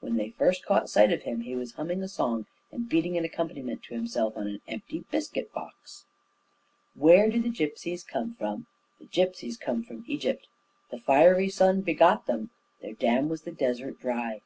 When they first caught sight of him, he was humming a song and beating an accompaniment to himself on an empty biscuit box: Where do the gipsies come from? The gipsies come from Egypt. The fiery sun begot them, Their dam was the desert dry.